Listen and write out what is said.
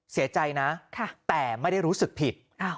เสียใจนะแต่ไม่ได้รู้สึกผิด